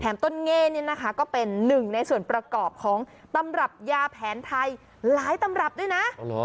ต้นเง่นี่นะคะก็เป็นหนึ่งในส่วนประกอบของตำรับยาแผนไทยหลายตำรับด้วยนะ